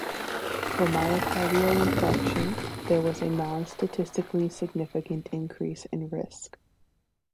For myocardial infarction, there was a non-statistically significant increase in risk.